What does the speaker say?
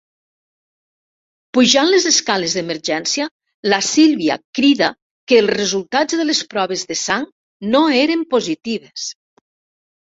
Pujant les escales d'emergència, la Sílvia crida que els resultats de les proves de sang no eren positives.